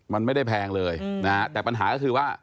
มันไม่ได้แพงเลยนะฮะแต่ปัญหาก็คือว่า